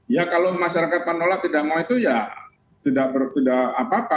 ya kalau masyarakat menolak tidak mau itu ya tidak apa apa